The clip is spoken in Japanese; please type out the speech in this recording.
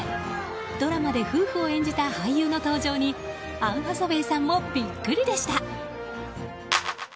ドラマで夫婦を演じた俳優の登場にアン・ハサウェイさんもビックリでした。